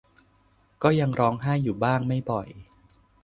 ก็ยังร้องไห้อยู่บ้าง ไม่บ่อย